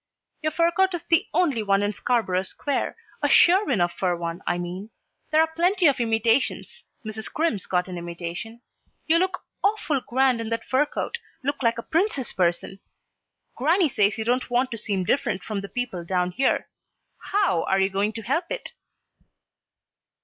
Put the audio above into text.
"Your fur coat is the only one in Scarborough Square. A sure enough fur one, I mean. There're plenty of imitations. Mrs. Crimm's got an imitation. You look awful grand in that fur coat look like a princess person. Grannie says you don't want to seem different from the people down here. How are you going to help it?"